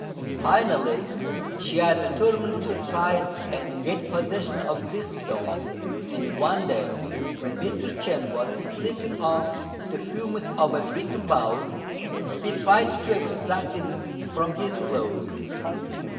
Finally, Chia determined to try and get possession of this stone; and one day, when Mr. Chên was sleeping off the fumes of a drinking bout, he tried to extract it from his clothes.